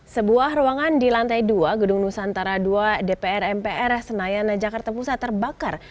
sebuah ruangan di lantai dua gedung nusantara ii dpr mpr senayan jakarta pusat terbakar